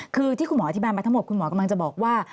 คือที่คุณหมออธิบายมาทั้งหมดคุณหมอกำลังจะบอกว่า